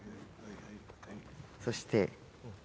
そして。